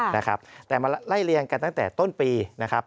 นะครับแต่มาไล่เรียงกันตั้งแต่ต้นปีนะครับ